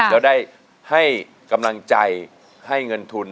แล้วได้ให้กำลังใจให้เงินทุน